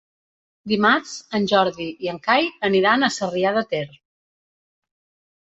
Dimarts en Jordi i en Cai aniran a Sarrià de Ter.